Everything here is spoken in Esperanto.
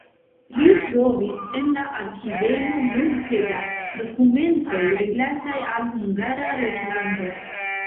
Li trovis en la arkivejo multe da dokumentoj rilataj al Hungara reĝlando.